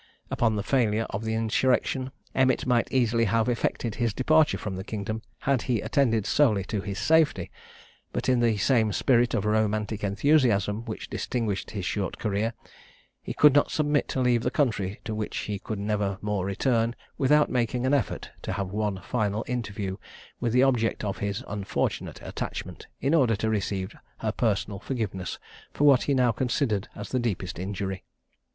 Upon the failure of the insurrection Emmet might easily have effected his departure from the kingdom, had he attended solely to his safety; but, in the same spirit of romantic enthusiasm which distinguished his short career, he could not submit to leave the country to which he could never more return, without making an effort to have one final interview with the object of his unfortunate attachment, in order to receive her personal forgiveness for what he now considered as the deepest injury.